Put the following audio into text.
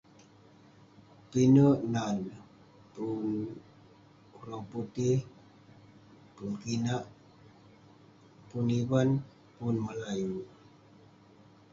pinek nan neh, pun orang putih, pun kinak, pun ivan, pun melayu